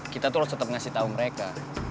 kita tuh harus tetap ngasih tahu mereka